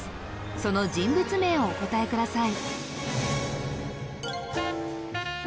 その人物名をお答えください